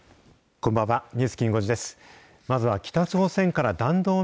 こんばんは。